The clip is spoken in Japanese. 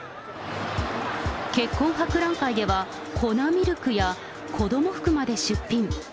結婚博覧会では、粉ミルクや子ども服まで出品。